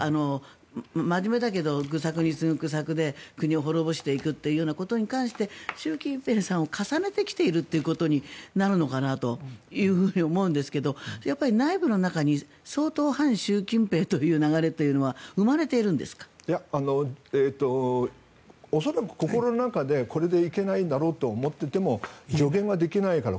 真面目だけど愚策に次ぐ愚策で国を滅ぼしていくということに関して習近平さんを重ねてきているということになるのかなというふうに思うんですが内部の中に相当反習近平という流れというのは恐らく、心の中でこれではいけないんだろうと思っていても表現ができないから。